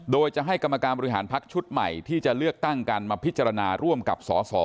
โดยจะให้กรรมการบริหารพักชุดใหม่ที่จะเลือกตั้งกันมาพิจารณาร่วมกับสส